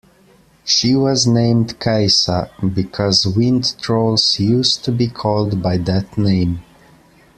She was named "Kajsa" because wind-trolls used to be called by that name.